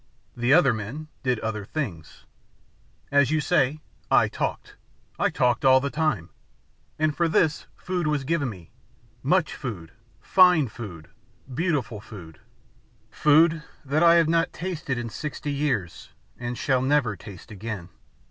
The other men did other things. As you say, I talked. I talked all the time, and for this food was given me much food, fine food, beautiful food, food that I have not tasted in sixty years and shall never taste again.